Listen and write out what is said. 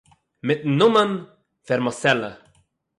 מיט'ן נאָמען פערמאָסעלע